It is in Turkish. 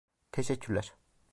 Teşekkürler